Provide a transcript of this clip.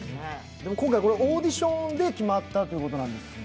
今回オーディションで決まったということなんですが。